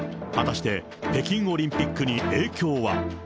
果たして北京オリンピックに影響は。